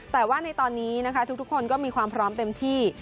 แต่ว่าในตอนนี้นะคะทุกคนก็มีความพร้อมเต็มที่